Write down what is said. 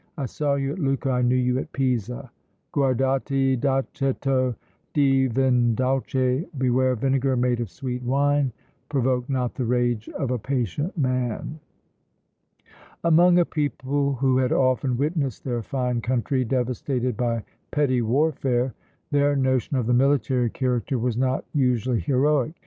_ "I saw you at Lucca, I knew you at Pisa!" Guardati d'aceto di vin dolce: "Beware of vinegar made of sweet wine;" provoke not the rage of a patient man! Among a people who had often witnessed their fine country devastated by petty warfare, their notion of the military character was not usually heroic.